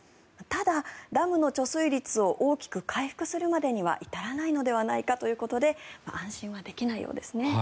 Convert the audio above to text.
ただ、ダムの貯水率を大きく回復するまでには至らないのではないかということで安心はできないですね。